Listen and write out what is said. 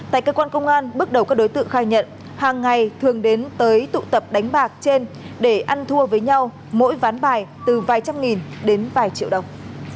tại cơ quan công an bước đầu các đối tượng khai nhận hàng ngày thường đến tới tụ tập đánh bạc trên để ăn thua với nhau mỗi ván bài từ vài trăm nghìn đến vài triệu đồng